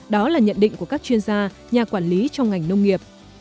đó là nhận định của các chuyên gia nhà quản lý trong ngành nông nghiệp